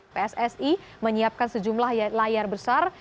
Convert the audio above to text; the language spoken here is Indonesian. pssi menyiapkan sejumlah layar besar